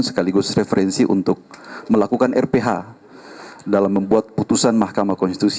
sekaligus referensi untuk melakukan rph dalam membuat putusan mahkamah konstitusi